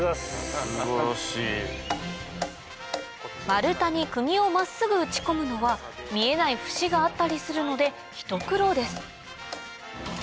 丸太に釘を真っすぐ打ち込むのは見えない節があったりするのでひと苦労です